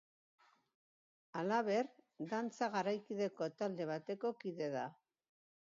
Halaber, dantza garaikideko talde bateko kide da.